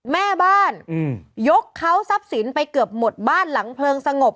แม่บ้านยกเขาทรัพย์สินไปเกือบหมดบ้านหลังเพลิงสงบ